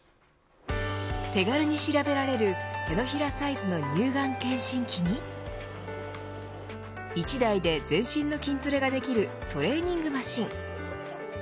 手軽に調べられる手のひらサイズの乳癌検診機に１台で全身の筋トレができるトレーニングマシン。